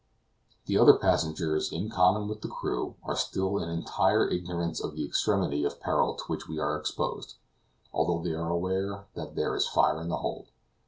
The other passengers, in common with the crew, are still in entire ignorance of the extremity of peril to which we are exposed, although they are all aware that there is fire in the hold.